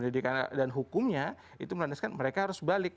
dan hukumnya itu merandaskan mereka harus balik